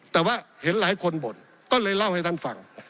แต่ว่าเห็นหลายคนบ่นก็เลยเล่าให้ท่านฟัง